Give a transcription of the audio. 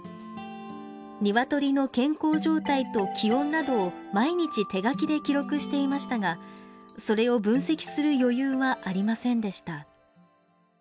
ニワトリの健康状態と気温などを毎日、手書きで記録していましたがそれを分析する余裕はありませんでした。